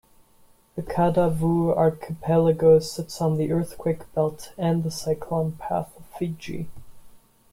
The Kadavu archipelago sits on the earthquake belt and the cyclone path of Fiji.